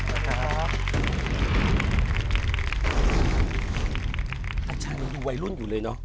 อาจารย์ยังดูวัยรุ่นอยู่เลยเนอะ